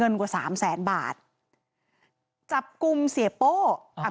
ปี๖๕วันเช่นเดียวกัน